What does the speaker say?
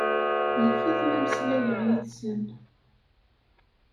Yif-it ma mmeslayeɣ yid-sen.